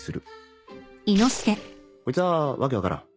こいつは訳分からん。